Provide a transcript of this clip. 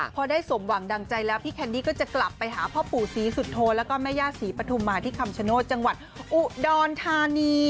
พอได้สมหวังดังใจแล้วพี่แคนดี้ก็จะกลับไปหาพ่อปู่ศรีสุโธแล้วก็แม่ย่าศรีปฐุมมาที่คำชโนธจังหวัดอุดรธานี